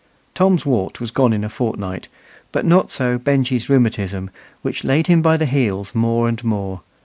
Tom's wart was gone in a fortnight, but not so Benjy's rheumatism, which laid him by the heels more and more.